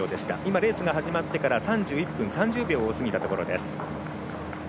レースが始まってから３１分３０秒を過ぎたところです。